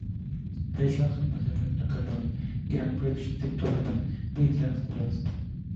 Richardson nació en la localidad de Great Bridge, situada en los Midlands del Oeste.